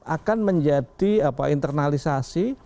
akan menjadi internalisasi